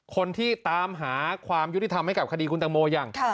คนที่ตามหาความยุติธรรมให้กับคดีคุณตังโมอย่าง